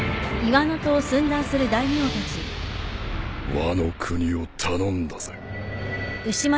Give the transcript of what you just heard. ワノ国を頼んだぜ。